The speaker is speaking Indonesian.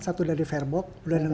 satu dari fairbox